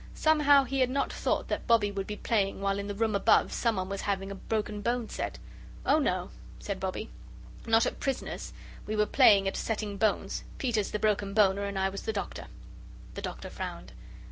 Somehow he had not thought that Bobbie would be playing while in the room above someone was having a broken bone set. "Oh, no!" said Bobbie, "not at PRISONERS. We were playing at setting bones. Peter's the broken boner, and I was the doctor." The Doctor frowned.